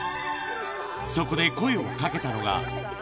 そこで声をかけたのが。